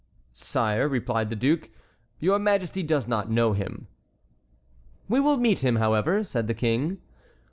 "Sire," replied the duke, "your Majesty does not know him." "We will meet him, however," said the King.